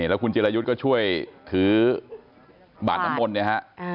แล้วคุณเจรยุทธ์ก็ช่วยถือบ่านน้ำมนต์